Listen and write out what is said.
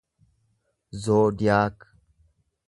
zoodiyaak